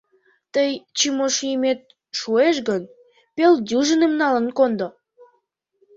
Тый, Чимош, йӱмет шуэш гын, пел дюжиным налын кондо!